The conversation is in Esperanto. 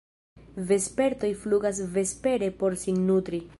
Vespertoj flugas vespere por sin nutri.